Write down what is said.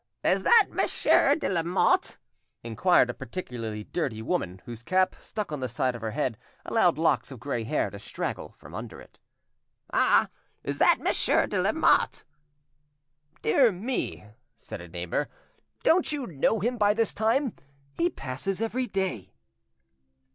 "Is that Monsieur de Lamotte?" inquired a particularly dirty woman, whose cap, stuck on the side of her, head, allowed locks of grey hair to straggle from under it. "Ah! is that Monsieur de Lamotte?" "Dear me!" said a neighbour, "don't you know him by this time? He passes every day."